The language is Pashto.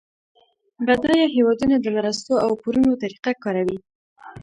بډایه هیوادونه د مرستو او پورونو طریقه کاروي